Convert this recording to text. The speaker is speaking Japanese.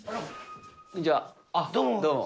どうも。